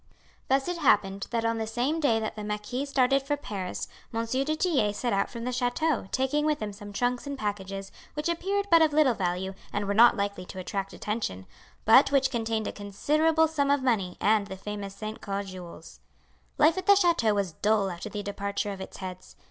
Thus it happened that on the same day that the marquis started for Paris, M. du Tillet set out from the chateau taking with him some trunks and packages which appeared but of little value and were not likely to attract attention, but which contained a considerable sum of money and the famous St. Caux jewels. Life at the chateau was dull after the departure of its heads.